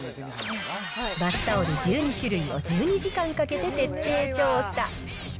バスタオル１２種類を１２時間かけて徹底調査。